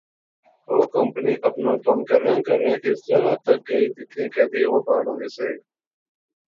او کمپنی اپنا کم کرنیاں کرنیاں اس جاغا تک گئی جتھیں کیدے و پار ہونے سے